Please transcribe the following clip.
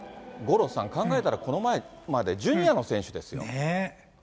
五郎さん、考えたらこの前までジュニアの選手ですよ。